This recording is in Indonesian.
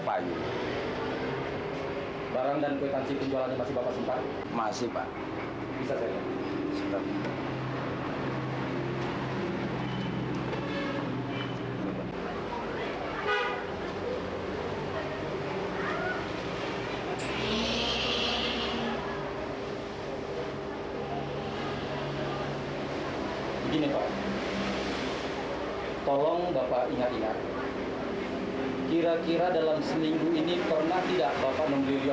pak kud kami pergi dulu